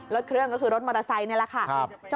รถเครื่องก็คือรถมอเตอร์ไซค์นี่แหละค่ะ